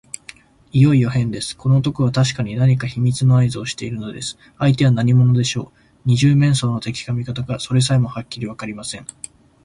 いよいよへんです。この男はたしかに何か秘密のあいずをしているのです。相手は何者でしょう。二十面相の敵か味方か、それさえもはっきりわかりません。